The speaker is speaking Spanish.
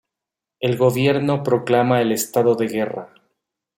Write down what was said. El gobierno proclama el estado de guerra.